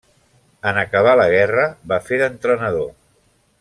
En acabar la guerra va fer d'entrenador.